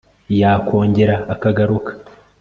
yakongera akagaruka